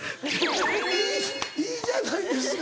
いいいいじゃないですか